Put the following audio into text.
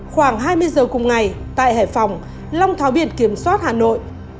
khoảng hai mươi giờ cùng ngày tại hải phòng long tháo biển kiểm soát hà nội